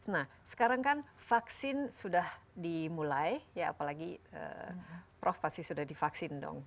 nah sekarang kan vaksin sudah dimulai ya apalagi prof pasti sudah divaksin dong